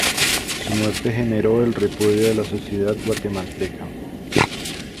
Su muerte generó el repudio de la sociedad guatemalteca.